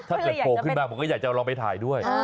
โผล่ขึ้นมาผมก็อยากจะลองไปถ่ายด้วย